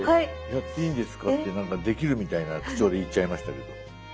やっていいですかってできるみたいな口調で言っちゃいましたけど。